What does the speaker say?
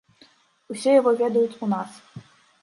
Усе яго ведаюць у нас.